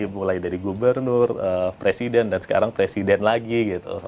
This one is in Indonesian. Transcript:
mulai dari gubernur presiden dan sekarang presiden lagi gitu